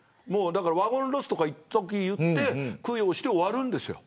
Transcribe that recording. ワゴンロスとかいっとき言って供養して終わるんです。